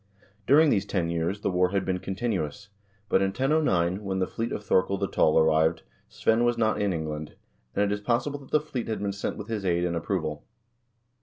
During these ten years the war had been continuous, but in 1009, when the fleet of Thorkel the Tall arrived, Svein was not in England, and it is possible that the fleet had been sent with his aid and approval.